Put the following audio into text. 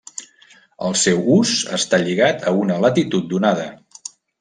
El seu ús està lligat a una latitud donada.